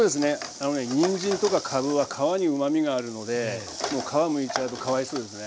あのねにんじんとかかぶは皮にうまみがあるので皮むいちゃうとかわいそうですね。